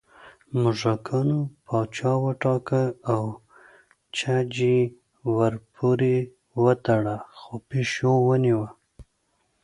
موږکانو پاچا وټاکه او چج یې ورپورې وتړه خو پېشو ونیوه